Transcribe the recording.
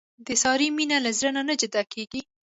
د سارې مینه له زړه نه جدا کېږي.